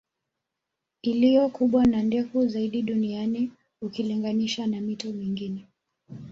Iliyo kubwa na ndefu zaidi duniani ukilinganisha na mito mingine